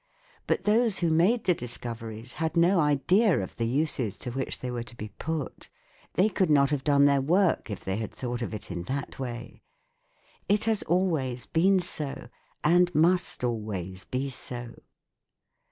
But those who made the discoveries had no idea of the uses to which they were to be put : they could not have done their work if they had thought of it in that SOIM) IN WAR 195 way. It has always been so, and nu.st ;il\vays be so.